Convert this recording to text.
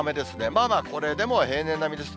まあまあこれでも平年並みです。